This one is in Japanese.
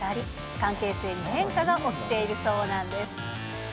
関係性に変化が起きているそうなんです。